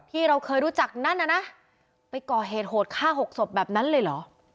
ที่เราเคยรู้จักนั่นน่ะนะไปก่อเหตุโหดฆ่าหกศพแบบนั้นเลยเหรอ